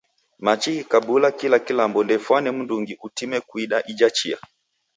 Machi ghikabula kila kilambo ndeifwane mndungi utime kuida ija chia.